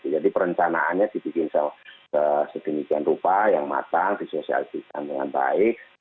jadi perencanaannya dibikin sedemikian rupa yang matang disosialisasi dengan baik